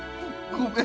ごめん。